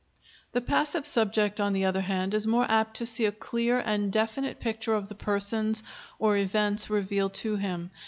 The passive subject on the other hand is more apt to see a clear and definite picture of the persons or events revealed to him.